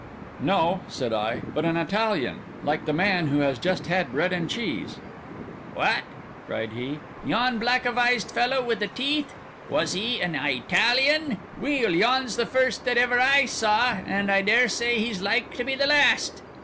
"No!" said I; "but an Italian, like the man who has just had bread and cheese." "What?" cried he, "yon black avised fellow wi' the teeth? Was he an I talian? Weel, yon's the first that ever I saw, an' I dare say he's like to be the last."